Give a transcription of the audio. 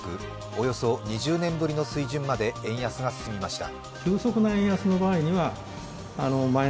およそ２０年ぶりの水準まで円安が進みました。